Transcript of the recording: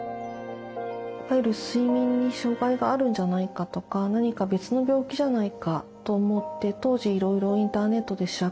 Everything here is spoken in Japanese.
睡眠に障害があるんじゃないかとか何か別の病気じゃないかと思って当時いろいろインターネットで調べました。